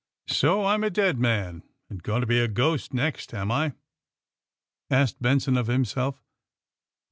^*So I^m a dead man. and going to be a ghost next, am I!" asked Benson of himself.